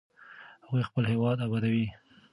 هغوی خپل هېواد ابادوي.